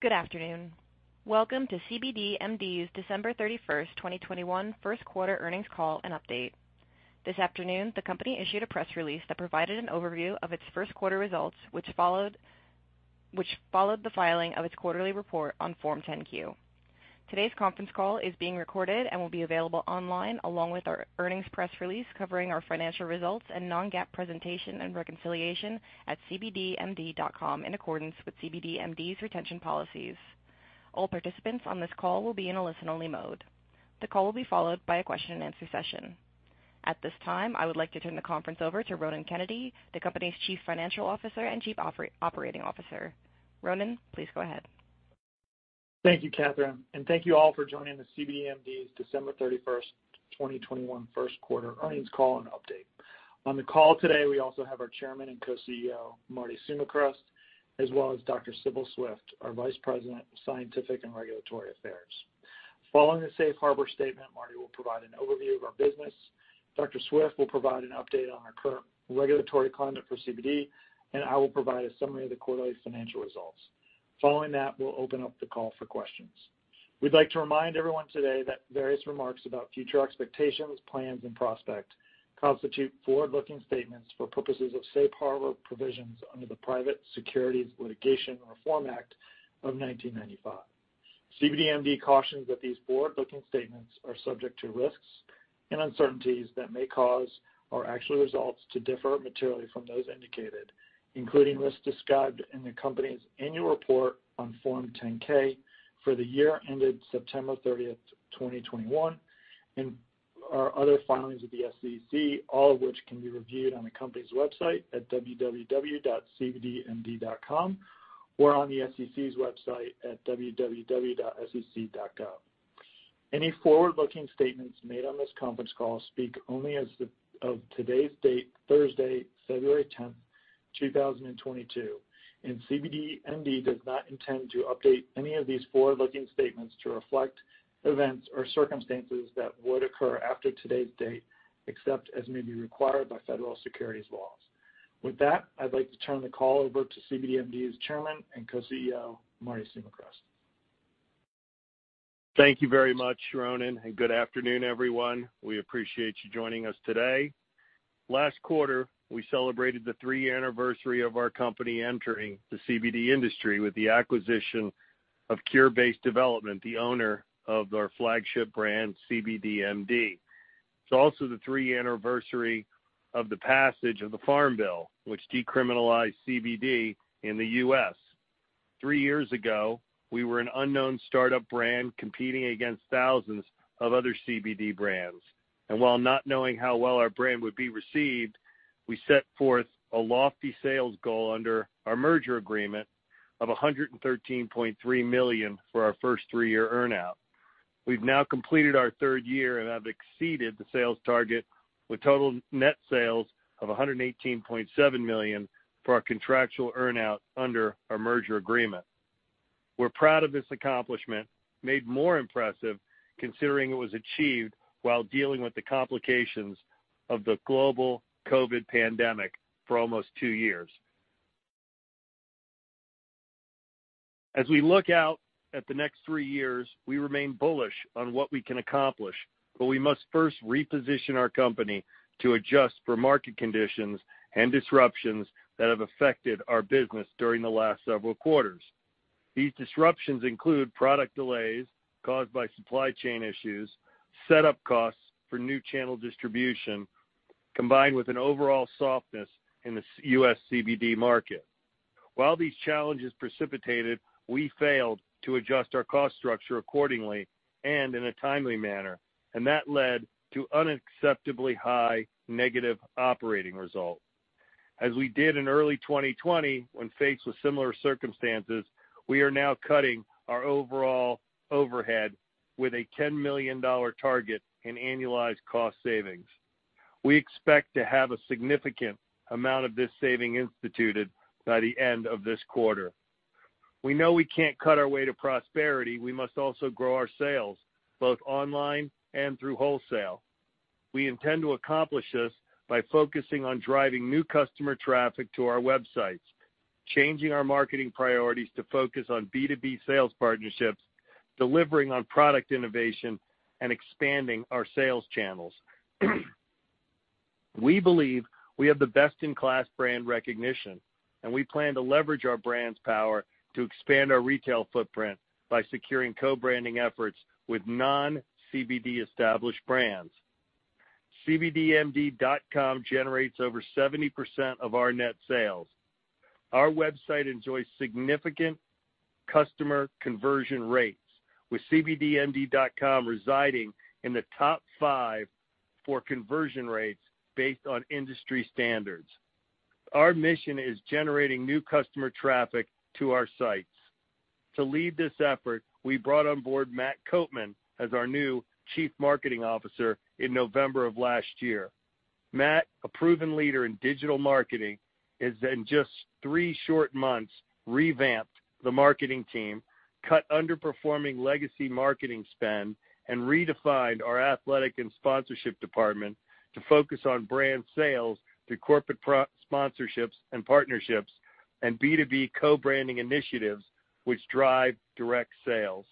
Good afternoon. Welcome to cbdMD's December 31, 2021 first quarter earnings call and update. This afternoon, the company issued a press release that provided an overview of its first quarter results, which followed the filing of its quarterly report on Form 10-Q. Today's conference call is being recorded and will be available online along with our earnings press release covering our financial results and non-GAAP presentation and reconciliation at cbdmd.com in accordance with cbdMD's retention policies. All participants on this call will be in a listen-only mode. The call will be followed by a question-and-answer session. At this time, I would like to turn the conference over to Ronan Kennedy, the company's Chief Financial Officer and Chief Operating Officer. Ronan, please go ahead. Thank you, Catherine, and thank you all for joining the cbdMD's December 31, 2021 first quarter earnings call and update. On the call today, we also have our Chairman and Co-CEO, Marty Sumichrast, as well as Dr. Sibyl Swift, our Vice President of Scientific and Regulatory Affairs. Following a safe harbor statement, Marty will provide an overview of our business. Dr. Swift will provide an update on our regulatory climate for CBD, and I will provide a summary of the quarterly financial results. Following that, we'll open up the call for questions. We'd like to remind everyone today that various remarks about future expectations, plans, and prospects constitute forward-looking statements for purposes of safe harbor provisions under the Private Securities Litigation Reform Act of 1995. cbdMD cautions that these forward-looking statements are subject to risks and uncertainties that may cause our actual results to differ materially from those indicated, including risks described in the company's annual report on Form 10-K for the year ended September 30, 2021, and our other filings with the SEC, all of which can be reviewed on the company's website at www.cbdmd.com or on the SEC's website at www.sec.com. Any forward-looking statements made on this conference call speak only as of today's date, Thursday, February 10, 2022, and cbdMD does not intend to update any of these forward-looking statements to reflect events or circumstances that would occur after today's date, except as may be required by federal securities laws. With that, I'd like to turn the call over to cbdMD's Chairman and Co-CEO, Marty Sumichrast. Thank you very much, Ronan, and good afternoon, everyone. We appreciate you joining us today. Last quarter, we celebrated the third anniversary of our company entering the CBD industry with the acquisition of Cure Based Development, the owner of our flagship brand, cbdMD. It's also the third anniversary of the passage of the Farm Bill, which decriminalized CBD in the U.S. Three years ago, we were an unknown startup brand competing against thousands of other CBD brands. While not knowing how well our brand would be received, we set forth a lofty sales goal under our merger agreement of $113.3 million for our first three-year earn-out. We've now completed our third year and have exceeded the sales target with total net sales of $118.7 million for our contractual earn-out under our merger agreement. We're proud of this accomplishment, made more impressive considering it was achieved while dealing with the complications of the global COVID pandemic for almost two years. As we look out at the next three years, we remain bullish on what we can accomplish, but we must first reposition our company to adjust for market conditions and disruptions that have affected our business during the last several quarters. These disruptions include product delays caused by supply chain issues, setup costs for new channel distribution, combined with an overall softness in the U.S. CBD market. While these challenges precipitated, we failed to adjust our cost structure accordingly and in a timely manner, and that led to unacceptably high negative operating results. As we did in early 2020, when faced with similar circumstances, we are now cutting our overall overhead with a $10 million target in annualized cost savings. We expect to have a significant amount of this saving instituted by the end of this quarter. We know we can't cut our way to prosperity. We must also grow our sales, both online and through wholesale. We intend to accomplish this by focusing on driving new customer traffic to our websites, changing our marketing priorities to focus on B2B sales partnerships, delivering on product innovation, and expanding our sales channels. We believe we have the best-in-class brand recognition, and we plan to leverage our brand's power to expand our retail footprint by securing co-branding efforts with non-CBD established brands. cbdmd.com generates over 70% of our net sales. Our website enjoys significant customer conversion rates, with cbdmd.com residing in the top five for conversion rates based on industry standards. Our mission is generating new customer traffic to our sites. To lead this effort, we brought on board Matt Coapman as our new Chief Marketing Officer in November of last year. Matt, a proven leader in digital marketing, has in just three short months revamped the marketing team, cut underperforming legacy marketing spend, and redefined our athletic and sponsorship department to focus on brand sales through corporate sponsorships and partnerships and B2B co-branding initiatives which drive direct sales.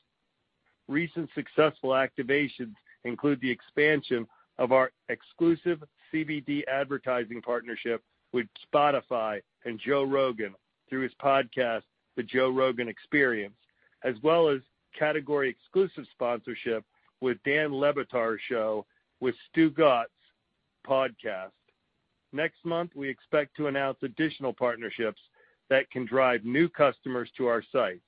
Recent successful activations include the expansion of our exclusive CBD advertising partnership with Spotify and Joe Rogan through his podcast, The Joe Rogan Experience, as well as category-exclusive sponsorship with Dan Le Batard’s show, with Stugotz podcast. Next month, we expect to announce additional partnerships that can drive new customers to our sites.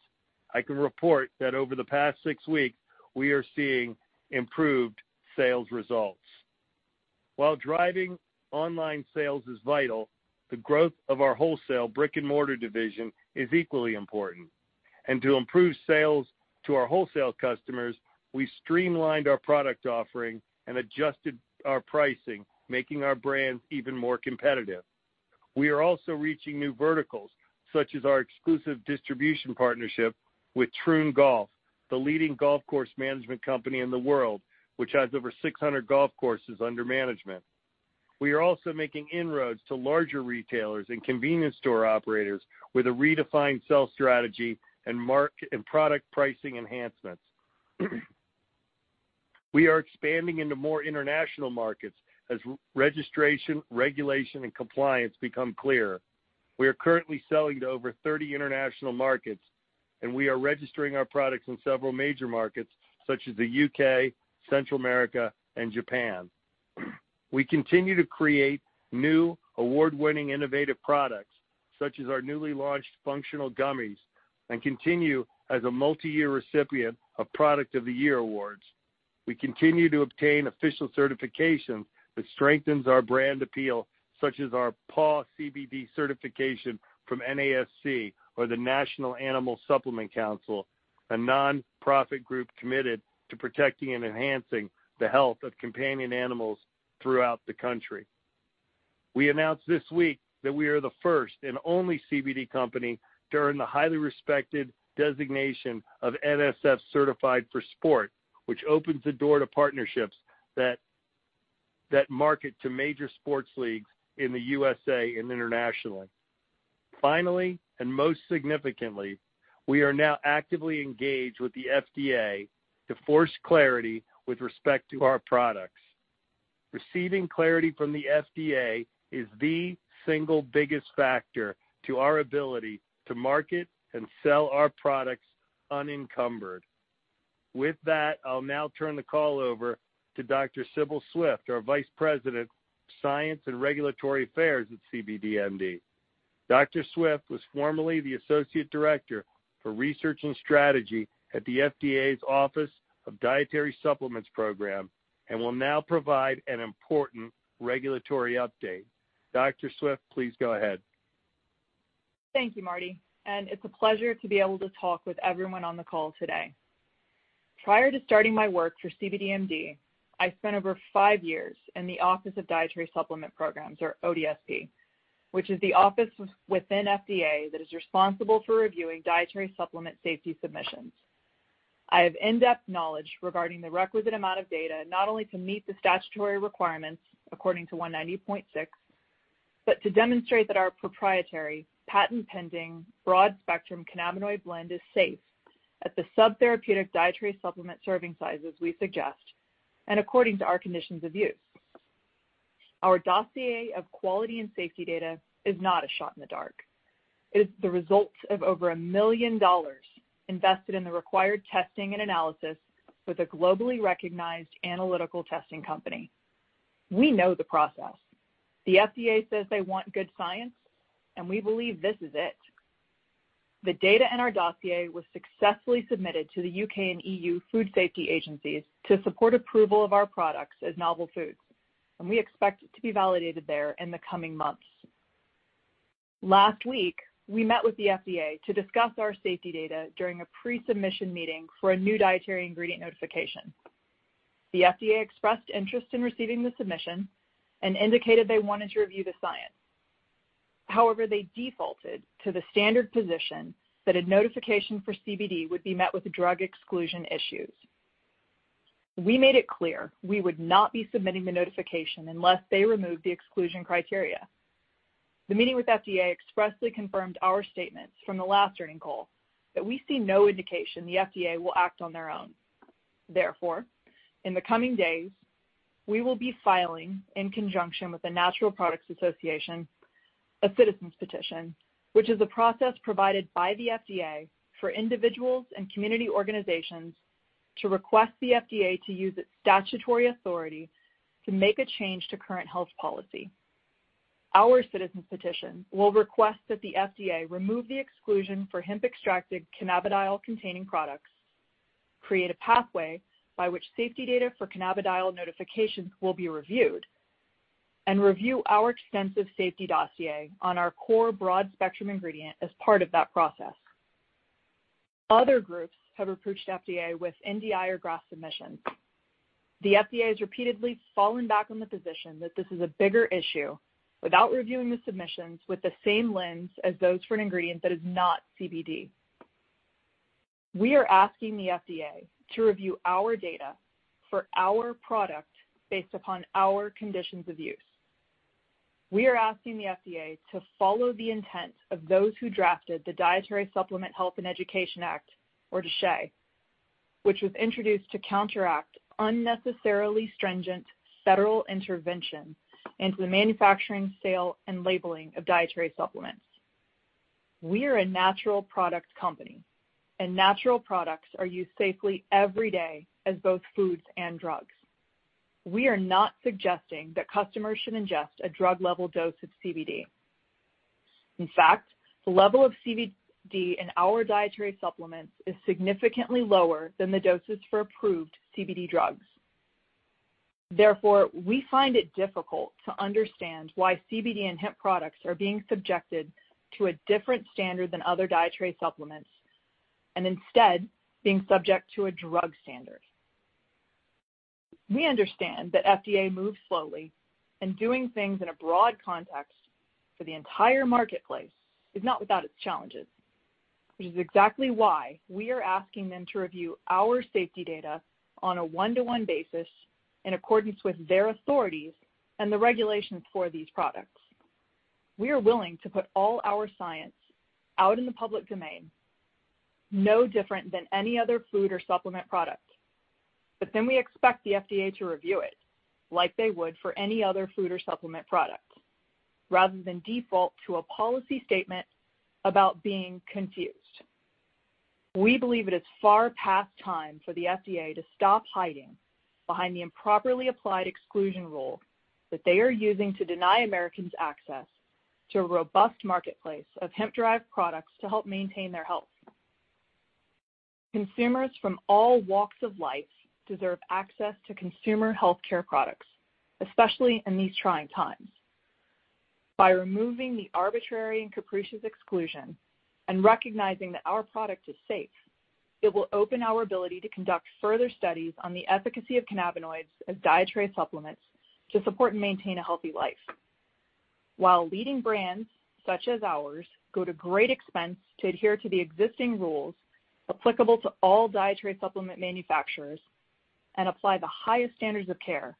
I can report that over the past six weeks, we are seeing improved sales results. While driving online sales is vital, the growth of our wholesale brick-and-mortar division is equally important. To improve sales to our wholesale customers, we streamlined our product offering and adjusted our pricing, making our brands even more competitive. We are also reaching new verticals, such as our exclusive distribution partnership with Troon Golf, the leading golf course management company in the world, which has over 600 golf courses under management. We are also making inroads to larger retailers and convenience store operators with a redefined sales strategy and marketing and product pricing enhancements. We are expanding into more international markets as re-registration, regulation, and compliance become clearer. We are currently selling to over 30 international markets, and we are registering our products in several major markets such as the U.K., Central America, and Japan. We continue to create new award-winning innovative products such as our newly launched functional gummies and continue as a multi-year recipient of Product of the Year awards. We continue to obtain official certifications that strengthens our brand appeal, such as our Paw CBD certification from NASC or the National Animal Supplement Council, a nonprofit group committed to protecting and enhancing the health of companion animals throughout the country. We announced this week that we are the first and only CBD company to earn the highly respected designation of NSF Certified for Sport, which opens the door to partnerships that market to major sports leagues in the USA and internationally. Finally, and most significantly, we are now actively engaged with the FDA to force clarity with respect to our products. Receiving clarity from the FDA is the single biggest factor to our ability to market and sell our products unencumbered. With that, I'll now turn the call over to Dr. Sibyl Swift, our Vice President of Science and Regulatory Affairs at cbdMD. Dr. Swift was formerly the associate director for research and strategy at the FDA's Office of Dietary Supplement Programs and will now provide an important regulatory update. Dr. Swift, please go ahead. Thank you, Marty. It's a pleasure to be able to talk with everyone on the call today. Prior to starting my work for cbdMD, I spent over five years in the Office of Dietary Supplement Programs or ODSP, which is the office within FDA that is responsible for reviewing dietary supplement safety submissions. I have in-depth knowledge regarding the requisite amount of data not only to meet the statutory requirements according to 190.6, but to demonstrate that our proprietary patent-pending broad-spectrum cannabinoid blend is safe at the subtherapeutic dietary supplement serving sizes we suggest and according to our conditions of use. Our dossier of quality and safety data is not a shot in the dark. It is the results of over $1 million invested in the required testing and analysis with a globally recognized analytical testing company. We know the process. The FDA says they want good science, and we believe this is it. The data in our dossier was successfully submitted to the U.K. and EU food safety agencies to support approval of our products as novel foods, and we expect it to be validated there in the coming months. Last week, we met with the FDA to discuss our safety data during a pre-submission meeting for a new dietary ingredient notification. The FDA expressed interest in receiving the submission and indicated they wanted to review the science. However, they defaulted to the standard position that a notification for CBD would be met with drug exclusion issues. We made it clear we would not be submitting the notification unless they removed the exclusion criteria. The meeting with FDA expressly confirmed our statements from the last earnings call that we see no indication the FDA will act on their own. Therefore, in the coming days, we will be filing, in conjunction with the Natural Products Association, a citizen's petition, which is a process provided by the FDA for individuals and community organizations to request the FDA to use its statutory authority to make a change to current health policy. Our citizen's petition will request that the FDA remove the exclusion for hemp-extracted cannabidiol-containing products, create a pathway by which safety data for cannabidiol notifications will be reviewed, and review our extensive safety dossier on our core broad-spectrum ingredient as part of that process. Other groups have approached FDA with NDI or GRAS submissions. The FDA has repeatedly fallen back on the position that this is a bigger issue without reviewing the submissions with the same lens as those for an ingredient that is not CBD. We are asking the FDA to review our data for our product based upon our conditions of use. We are asking the FDA to follow the intent of those who drafted the Dietary Supplement Health and Education Act, or DSHEA, which was introduced to counteract unnecessarily stringent federal intervention into the manufacturing, sale, and labeling of dietary supplements. We are a natural product company, and natural products are used safely every day as both foods and drugs. We are not suggesting that customers should ingest a drug-level dose of CBD. In fact, the level of CBD in our dietary supplements is significantly lower than the doses for approved CBD drugs. Therefore, we find it difficult to understand why CBD and hemp products are being subjected to a different standard than other dietary supplements and instead being subject to a drug standard. We understand that FDA moves slowly, and doing things in a broad context for the entire marketplace is not without its challenges. Which is exactly why we are asking them to review our safety data on a one-to-one basis in accordance with their authorities and the regulations for these products. We are willing to put all our science out in the public domain, no different than any other food or supplement product. We expect the FDA to review it like they would for any other food or supplement product rather than default to a policy statement about being confused. We believe it is far past time for the FDA to stop hiding behind the improperly applied exclusion rule that they are using to deny Americans access to a robust marketplace of hemp-derived products to help maintain their health. Consumers from all walks of life deserve access to consumer healthcare products, especially in these trying times. By removing the arbitrary and capricious exclusion and recognizing that our product is safe, it will open our ability to conduct further studies on the efficacy of cannabinoids as dietary supplements to support and maintain a healthy life. While leading brands, such as ours, go to great expense to adhere to the existing rules applicable to all dietary supplement manufacturers and apply the highest standards of care,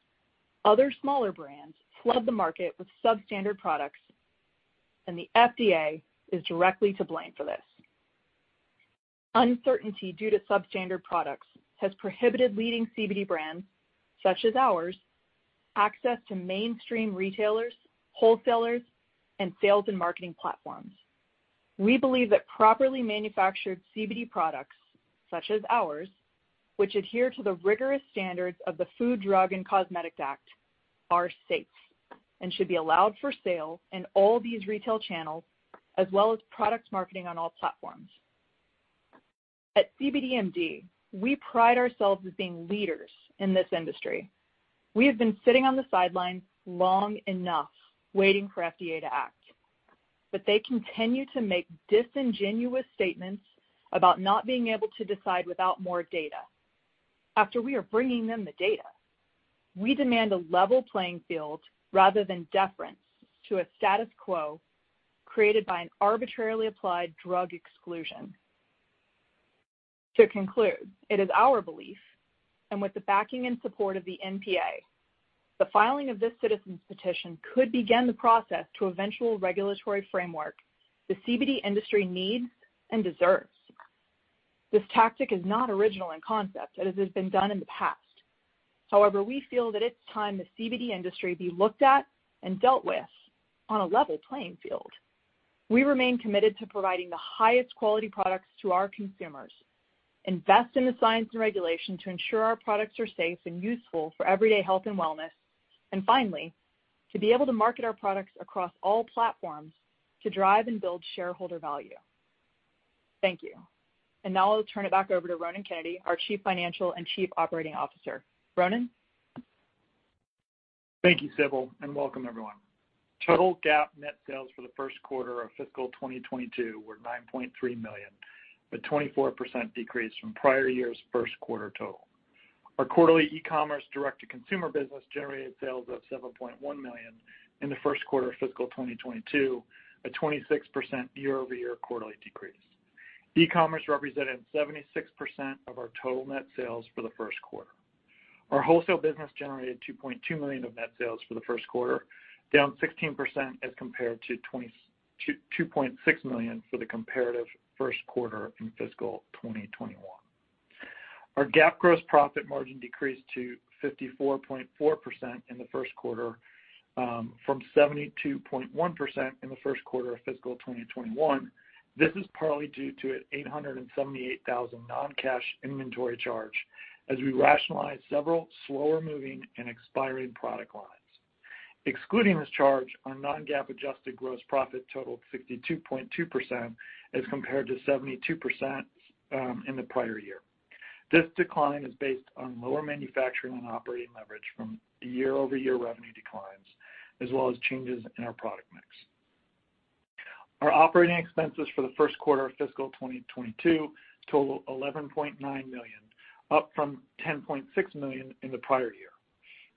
other smaller brands flood the market with substandard products, and the FDA is directly to blame for this. Uncertainty due to substandard products has prohibited leading CBD brands, such as ours, access to mainstream retailers, wholesalers, and sales and marketing platforms. We believe that properly manufactured CBD products, such as ours, which adhere to the rigorous standards of the Food, Drug, and Cosmetic Act, are safe and should be allowed for sale in all these retail channels, as well as product marketing on all platforms. At cbdMD, we pride ourselves as being leaders in this industry. We have been sitting on the sidelines long enough waiting for FDA to act, but they continue to make disingenuous statements about not being able to decide without more data after we are bringing them the data. We demand a level playing field rather than deference to a status quo created by an arbitrarily applied drug exclusion. To conclude, it is our belief, and with the backing and support of the NPA, the filing of this citizen's petition could begin the process to eventual regulatory framework the CBD industry needs and deserves. This tactic is not original in concept, as it has been done in the past. However, we feel that it's time the CBD industry be looked at and dealt with on a level playing field. We remain committed to providing the highest quality products to our consumers, invest in the science and regulation to ensure our products are safe and useful for everyday health and wellness, and finally, to be able to market our products across all platforms to drive and build shareholder value. Thank you. Now I'll turn it back over to Ronan Kennedy, our Chief Financial and Chief Operating Officer. Ronan? Thank you, Sibyl, and welcome everyone. Total GAAP net sales for the first quarter of fiscal 2022 were $9.3 million, a 24% decrease from prior year's first quarter total. Our quarterly e-commerce direct-to-consumer business generated sales of $7.1 million in the first quarter of fiscal 2022, a 26% year-over-year quarterly decrease. E-commerce represented 76% of our total net sales for the first quarter. Our wholesale business generated $2.2 million of net sales for the first quarter, down 16% as compared to $2.6 million for the comparative first quarter in fiscal 2021. Our GAAP gross profit margin decreased to 54.4% in the first quarter from 72.1% in the first quarter of fiscal 2021. This is partly due to an $878,000 non-cash inventory charge as we rationalized several slower-moving and expiring product lines. Excluding this charge, our non-GAAP adjusted gross profit totaled 62.2% as compared to 72% in the prior year. This decline is based on lower manufacturing and operating leverage from year-over-year revenue declines, as well as changes in our product mix. Our operating expenses for the first quarter of fiscal 2022 total $11.9 million, up from $10.6 million in the prior year.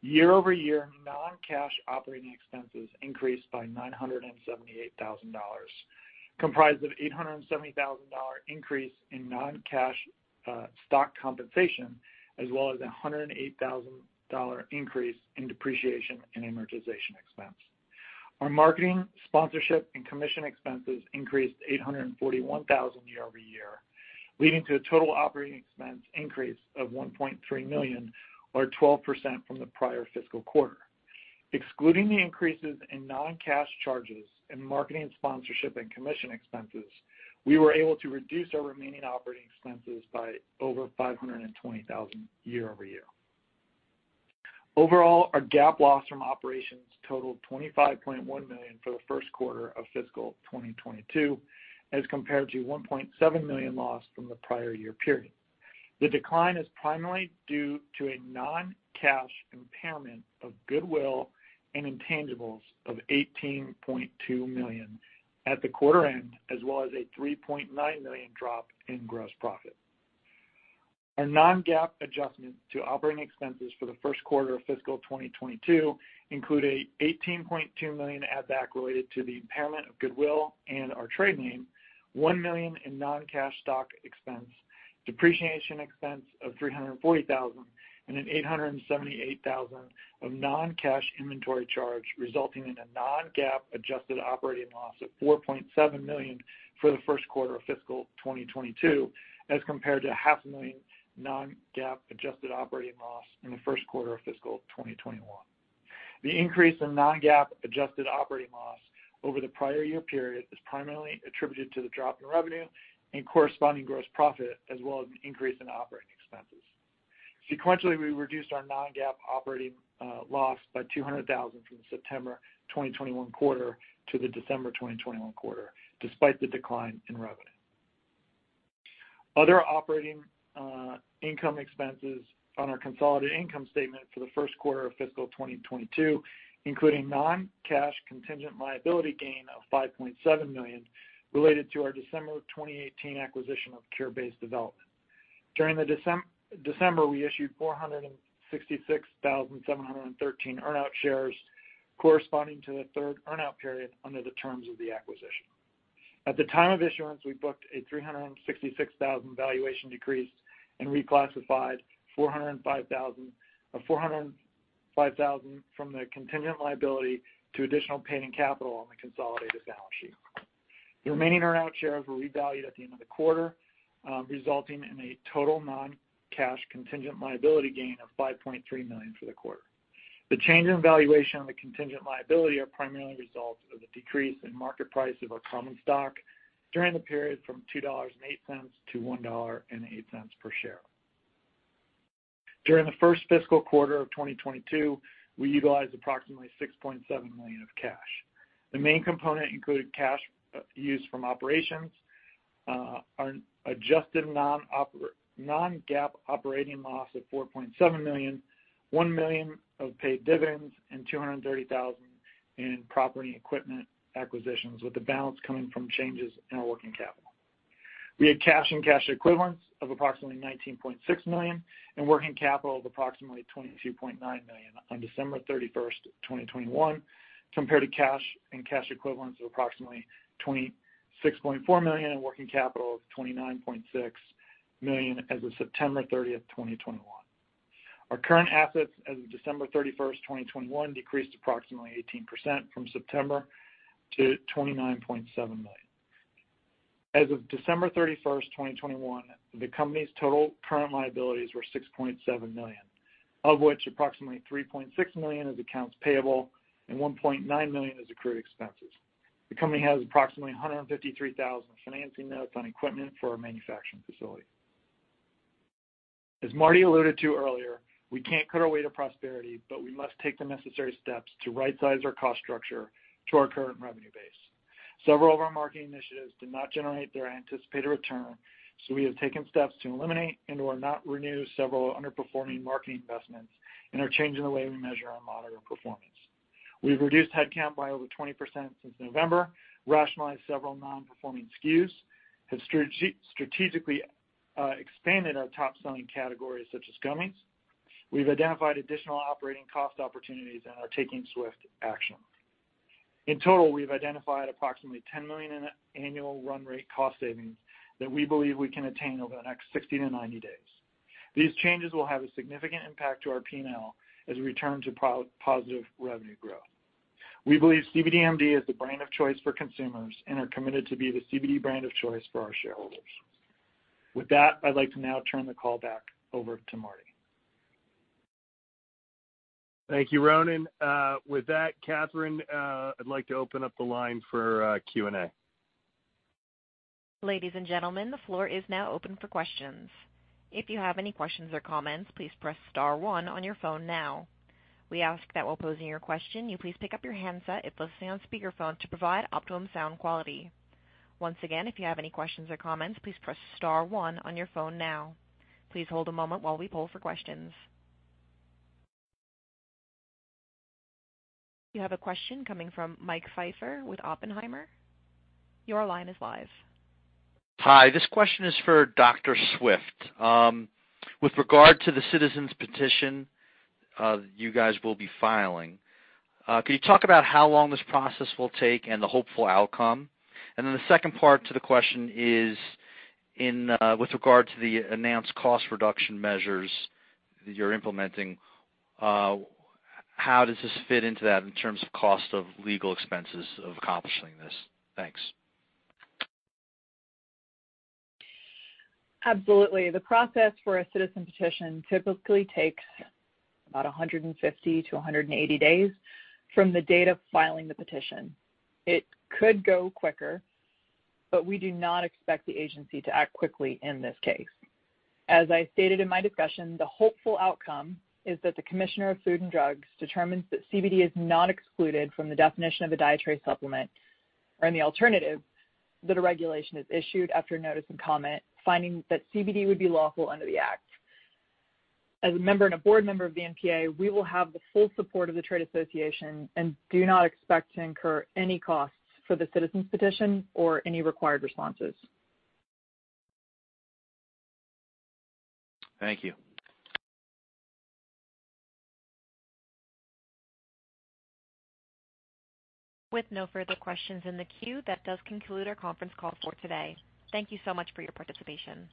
Year-over-year, non-cash operating expenses increased by $978,000. Comprised of $870,000 increase in non-cash stock compensation, as well as $108,000 increase in depreciation and amortization expense. Our marketing, sponsorship and commission expenses increased to $841,000 year-over-year, leading to a total operating expense increase of $1.3 million or 12% from the prior fiscal quarter. Excluding the increases in non-cash charges and marketing, sponsorship and commission expenses, we were able to reduce our remaining operating expenses by over $520,000 year-over-year. Overall, our GAAP loss from operations totaled $25.1 million for the first quarter of fiscal 2022, as compared to $1.7 million loss from the prior year period. The decline is primarily due to a non-cash impairment of goodwill and intangibles of $18.2 million at the quarter end, as well as a $3.9 million drop in gross profit. Our non-GAAP adjustment to operating expenses for the first quarter of fiscal 2022 includes an $18.2 million add back related to the impairment of goodwill and our trade name, $1 million in non-cash stock expense, depreciation expense of $340,000, and an $878,000 of non-cash inventory charge, resulting in a non-GAAP adjusted operating loss of $4.7 million for the first quarter of fiscal 2022, as compared to half a million non-GAAP adjusted operating loss in the first quarter of fiscal 2021. The increase in non-GAAP adjusted operating loss over the prior year period is primarily attributed to the drop in revenue and corresponding gross profit, as well as an increase in operating expenses. Sequentially, we reduced our non-GAAP operating loss by $200,000 from the September 2021 quarter to the December 2021 quarter, despite the decline in revenue. Other operating income expenses on our consolidated income statement for the first quarter of fiscal 2022, including non-cash contingent liability gain of $5.7 million related to our December 2018 acquisition of Cure Based Development. During December, we issued 466,713 earn-out shares corresponding to the third earn-out period under the terms of the acquisition. At the time of issuance, we booked a $366,000 valuation decrease and reclassified $405,000 from the contingent liability to additional paid-in capital on the consolidated balance sheet. The remaining earn-out shares were revalued at the end of the quarter, resulting in a total non-cash contingent liability gain of $5.3 million for the quarter. The change in valuation on the contingent liability are primarily a result of the decrease in market price of our common stock during the period from $2.08 to $1.08 per share. During the first fiscal quarter of 2022, we utilized approximately $6.7 million of cash. The main component included cash used from operations, our adjusted non-GAAP operating loss of $4.7 million, $1 million of paid dividends, and $230,000 in property equipment acquisitions, with the balance coming from changes in our working capital. We had cash and cash equivalents of approximately $19.6 million and working capital of approximately $22.9 million on December 31, 2021, compared to cash and cash equivalents of approximately $26.4 million and working capital of $29.6 million as of September 30, 2021. Our current assets as of December 31, 2021, decreased approximately 18% from September to $29.7 million. As of December 31, 2021, the company's total current liabilities were $6.7 million, of which approximately $3.6 million is accounts payable and $1.9 million is accrued expenses. The company has approximately $153,000 financing notes on equipment for our manufacturing facility. As Marty alluded to earlier, we can't cut our way to prosperity, but we must take the necessary steps to right-size our cost structure to our current revenue base. Several of our marketing initiatives did not generate their anticipated return, so we have taken steps to eliminate and/or not renew several underperforming marketing investments and are changing the way we measure and monitor performance. We've reduced headcount by over 20% since November, rationalized several non-performing SKUs, have strategically expanded our top-selling categories such as gummies. We've identified additional operating cost opportunities and are taking swift action. In total, we've identified approximately $10 million in annual run rate cost savings that we believe we can attain over the next 60-90 days. These changes will have a significant impact to our P&L as we return to positive revenue growth. We believe cbdMD is the brand of choice for consumers and are committed to be the CBD brand of choice for our shareholders. With that, I'd like to now turn the call back over to Marty. Thank you, Ronan. With that, Catherine, I'd like to open up the line for Q&A. Ladies and gentlemen, the floor is now open for questions. If you have any questions or comments, please press star one on your phone now. We ask that while posing your question, you please pick up your handset if listening on speakerphone to provide optimum sound quality. Once again, if you have any questions or comments, please press star one on your phone now. Please hold a moment while we poll for questions. You have a question coming from Mike Pfeffer with Oppenheimer. Your line is live. Hi. This question is for Dr. Swift. With regard to the citizen's petition you guys will be filing, can you talk about how long this process will take and the hopeful outcome? Then the second part to the question is, with regard to the announced cost reduction measures that you're implementing, how does this fit into that in terms of cost of legal expenses of accomplishing this? Thanks. Absolutely. The process for a citizen's petition typically takes about 150-180 days from the date of filing the petition. It could go quicker, but we do not expect the agency to act quickly in this case. As I stated in my discussion, the hopeful outcome is that the Commissioner of Food and Drugs determines that CBD is not excluded from the definition of a dietary supplement, or in the alternative, that a regulation is issued after notice and comment, finding that CBD would be lawful under the act. As a member and a board member of the NPA, we will have the full support of the trade association and do not expect to incur any costs for the citizen's petition or any required responses. Thank you. With no further questions in the queue, that does conclude our conference call for today. Thank you so much for your participation.